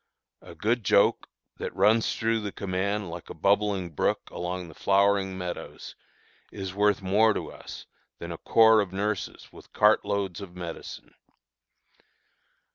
A good joke, that runs through the command like a bubbling brook along the flowering meadows, is worth more to us than a corps of nurses with cart loads of medicine.